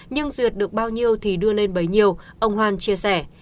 nhưng duyệt được bao nhiêu thì đưa lên bấy nhiêu ông hoan chia sẻ